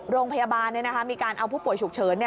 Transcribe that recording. โรงพยาบาลมีการเอาผู้ป่วยฉุกเฉิน